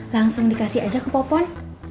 langsung dikasih aja ke popon